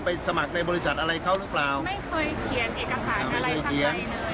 ไม่เคยเขียนเอกสารอะไรทั้งใครเลย